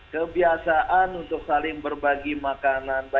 kebiasaan untuk saling berbagi makanan